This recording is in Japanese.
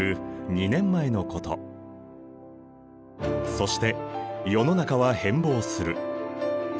そして世の中は変貌する。